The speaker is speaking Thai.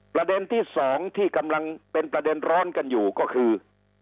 ประเด็นที่สองที่กำลังเป็นประเด็นร้อนกันอยู่ก็คือ